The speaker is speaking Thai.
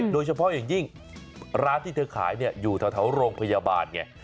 โดยเฉพาะอย่างยิ่งร้านที่เธอขายอยู่แถวโรงพยาบาลไง